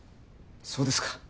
そうですか。